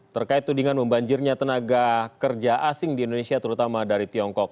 terkait tudingan membanjirnya tenaga kerja asing di indonesia terutama dari tiongkok